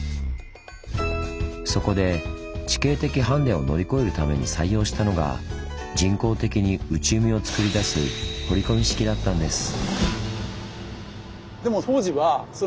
そこで地形的ハンデを乗り越えるために採用したのが人工的に内海をつくり出す掘込式だったんです。